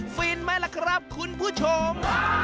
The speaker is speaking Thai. ฟินไหมล่ะครับคุณผู้ชม